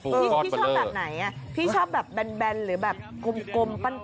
พี่ชอบแบบไหนพี่ชอบแบบแบนหรือแบบกลมปั้น